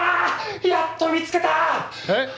やっと見つけた！え？